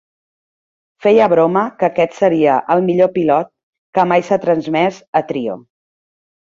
Feia broma que aquest seria el millor pilot que mai s'ha transmès a Trio.